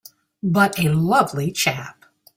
But a lovely chap!